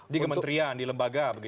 di kementerian di lembaga